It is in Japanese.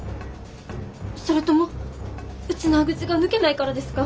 それともウチナーグチが抜けないからですか？